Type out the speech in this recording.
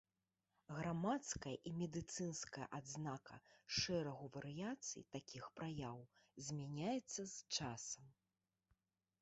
Грамадская і медыцынская адзнака шэрагу варыяцый такіх праяў змяняецца з часам.